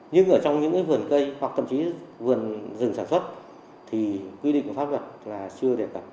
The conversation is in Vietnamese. nhưng ở trong những cái vườn cây hoặc cầm trí vườn rừng sản xuất thì quy định của pháp luật là chưa đẹp cả